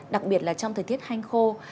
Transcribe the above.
đặc biệt là trong thời tiết hành khô